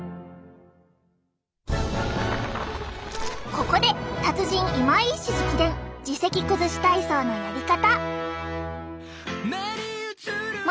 ここで達人今井医師直伝耳石崩し体操のやり方！